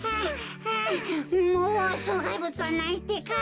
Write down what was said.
もうしょうがいぶつはないってか。